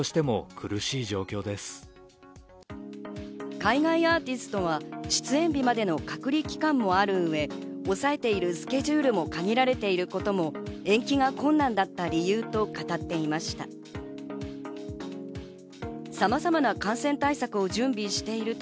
海外アーティストは出演日までの隔離期間がある上、おさえているスケジュールも限られていることも延期が困難だったことの理由と語っていました。